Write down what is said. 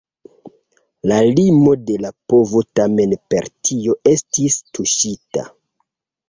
La limo de la povo tamen per tio estis tuŝita.